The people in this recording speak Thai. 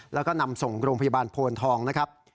แล้วก็นำส่งโรงพยาบาลโพนทองนะครับ